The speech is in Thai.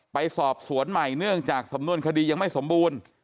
ไปสอบสวนใหม่เนื่องจากสำนวนคดียังไม่สมบูรณ์